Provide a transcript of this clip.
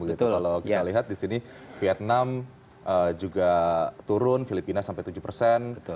kalau kita lihat di sini vietnam juga turun filipina sampai tujuh persen